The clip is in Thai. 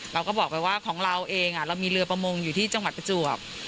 เราก็บอกไปว่าของเราเองเรามีเรือประมงอยู่ที่จังหวัดประจวบ